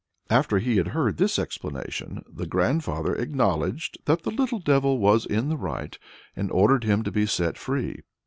After he had heard this explanation, "the grandfather acknowledged that the little devil was in the right, and ordered him to be set free.